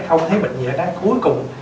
không thấy bệnh gì ở đó cuối cùng